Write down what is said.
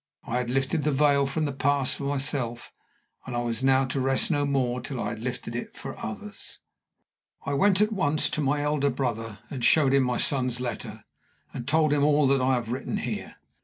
I had lifted the veil from the Past for myself, and I was now to rest no more till I had lifted it for others. I went at once to my eldest brother and showed him my son's letter, and told him all that I have written here.